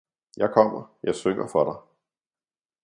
– jeg kommer, jeg synger for dig!